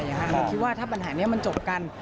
เราคิดว่าถ้าปัญหานี้มันจบกัน